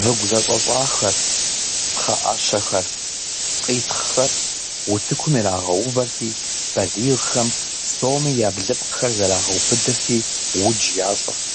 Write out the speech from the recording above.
Выгу зэщӀэщӀахэр, пхъэӀэщэхэр, къитхъхэр утыкум ирагъэувэрти, балигъхэм псоми я блыпкъхэр зэрагъэубыдырти, удж ящӀырт.